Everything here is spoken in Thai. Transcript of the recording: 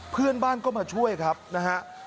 เพื่อนบ้านก็มาช่วยครับนะฮะ